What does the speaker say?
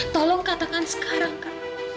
tolong katakan sekarang kak